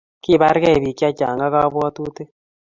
Kibarkei bik chechang kabwatutik